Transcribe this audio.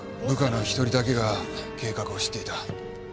部下の１人だけが計画を知っていた。